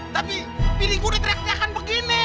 tapi bini gue udah teriak teriakan begini